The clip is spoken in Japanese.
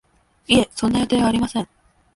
いえ、そんな予定はありません